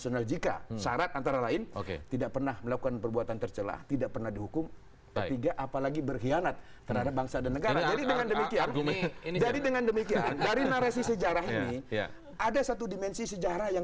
oleh presiden susilo bambang yudhoyono